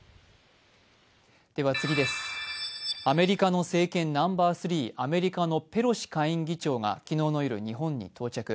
アメリカの政権ナンバー３、アメリカのペロシ下院議長が昨日の夜、日本に到着。